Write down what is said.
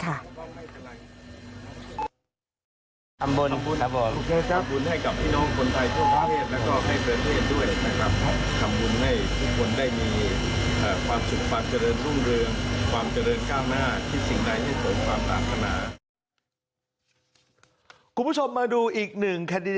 ทำบุญครับผมครับผมโอเคครับ